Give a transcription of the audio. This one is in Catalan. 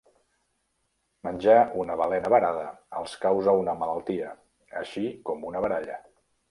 Menjar una balena varada els causa una malaltia, així com una baralla.